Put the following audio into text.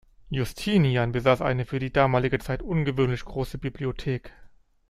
Justinian besaß eine für die damalige Zeit ungewöhnlich große Bibliothek.